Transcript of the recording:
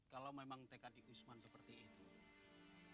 kalau memang tekad usman seperti itu